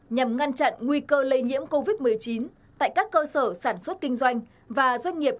nhằm ngăn chặn nguy cơ lây nhiễm covid một mươi chín tại các cơ sở sản xuất kinh doanh và doanh nghiệp